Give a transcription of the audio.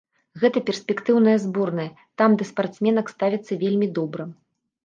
Гэта перспектыўная зборная, там да спартсменак ставяцца вельмі добра.